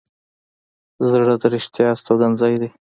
زړه د رښتیا استوګنځی دی.